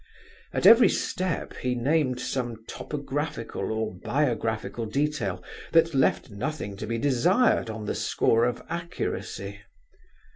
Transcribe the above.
At every step he named some topographical or biographical detail that left nothing to be desired on the score of accuracy.